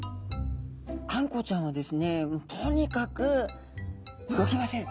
あんこうちゃんはですねとにかく動きません。